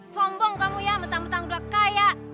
sombong kamu ya mentang mentang buat kaya